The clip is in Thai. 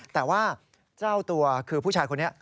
แต่ว่าเจ้าตัวคือผู้ชายคนนี้